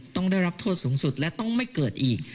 ต้องได้รับโทษสูงสุดและต้องไม่เกิดอีก